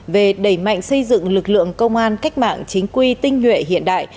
về đẩy mạnh xây dựng lực lượng công an cách mạng chính quy tinh nhuệ hiện đại